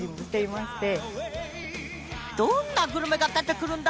どんなグルメが出てくるんだ？